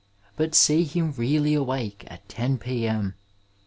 But see him really awake at 10 p.m.